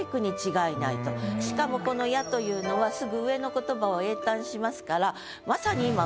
しかもこの「や」というのはすぐ上の言葉を詠嘆しますから。